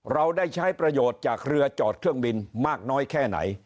เราได้ใช้ประโยชน์จากเรือจอดเครื่องบินมากน้อยแค่ไหน